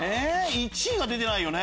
１位が出てないよね。